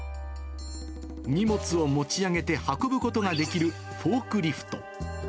荷物を持ち上げて運ぶことができるフォークリフト。